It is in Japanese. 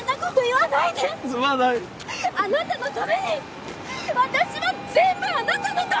あなたのために私は全部あなたのために！